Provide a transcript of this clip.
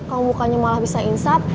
kamu bukannya malah bisa insap